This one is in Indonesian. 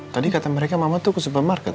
tadi kata mereka mama tuh ke supermarket